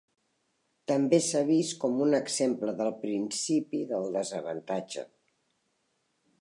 També s'ha vist com un exemple del principi del desavantatge.